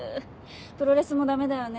プロレスもダメだよね。